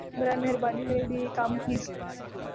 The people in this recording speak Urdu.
براہَ مہربانی میرے لیے یہ کام کیجیے